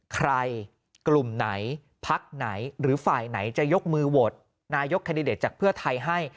ใครกลุ่มไหนพักไหนหรือฝ่ายไหนจะยกมือโหวตนายกแคนดิเดตจากเพื่อไทยให้